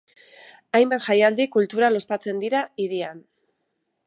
Hainbat jaialdi kultural ospatzen dira hirian.